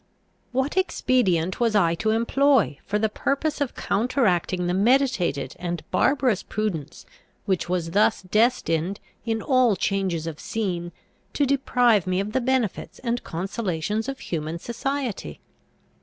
What expedient was I to employ for the purpose of counteracting the meditated and barbarous prudence, which was thus destined, in all changes of scene, to deprive me of the benefits and consolations of human society?